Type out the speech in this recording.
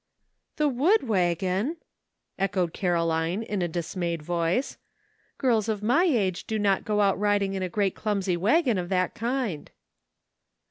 " The wood wagon ?" echoed Caroline, in a dismayed voice, " girls of my age do not go out riding on a great clumsy wagon of that kind."